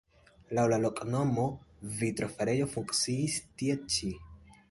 Laŭ la loknomo vitrofarejo funkciis tie ĉi.